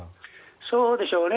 そうでしょうね。